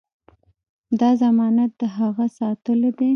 دا ضمانت د هغه ساتلو دی.